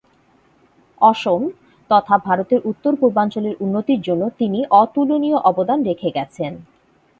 অসম তথা ভারতের উত্তর-পূর্বাঞ্চলের উন্নতির জন্য তিনি অতুলনীয় অবদান রেখে গিয়েছেন।